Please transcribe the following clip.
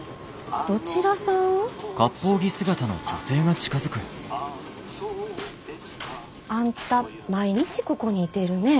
どちらさん？あんた毎日ここにいてるねえ？